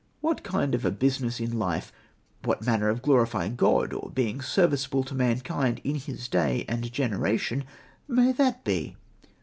What kind of a business in life, what manner of glorifying God, or being serviceable to mankind in his day and generation may that be?